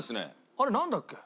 あれなんだっけ？